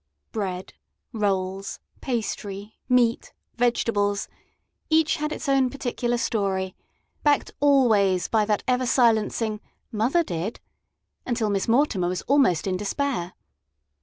Bread, rolls, pastry, meat, vegetables each had its own particular story, backed always by that ever silencing "mother did," until Miss Mortimer was almost in despair.